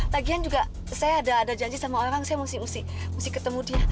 tagihan juga saya ada janji sama orang saya mesti ketemu dia